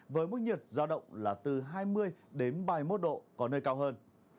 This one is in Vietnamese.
với mức nhiệt giao động là từ hai mươi đến ba mươi một độ có nơi cao hơn